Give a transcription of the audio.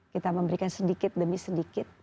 kita memberikan sedikit demi sedikit